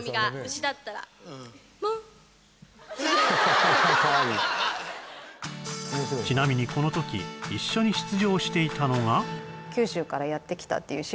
モウちなみにこの時一緒に出場していたのが（ビート